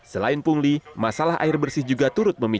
selain pungli masalah air bersih juga turut memicu